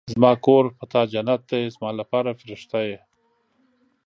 زما کور په تا جنت دی ، زما لپاره فرښته ېې